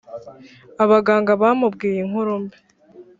abaganga bamubwiye inkuru mbi